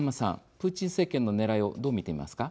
プーチン政権のねらいをどう見ていますか。